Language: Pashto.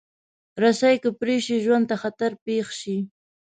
رسۍ که پرې شي، ژوند ته خطر پېښ شي.